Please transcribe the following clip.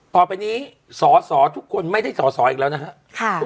ต่อไปนี้สอสอทุกคนไม่ได้สอสออีกแล้วนะครับ